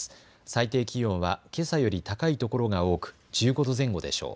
最低気温はけさより高い所が多く１５度前後でしょう。